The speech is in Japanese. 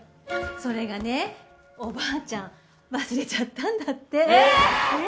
それがねおばあちゃん忘れちゃったんだってえ！